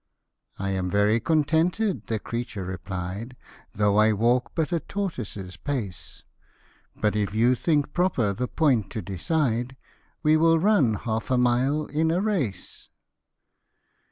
45 " I am very contented," the creature replied, " Though I walk but a tortoise's pace j But if you think proper the point to decide, We will run half a mile in a race.'